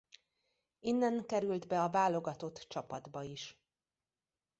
Innen került be a válogatott csapatba is.